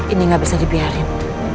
ini gak bisa dibiarin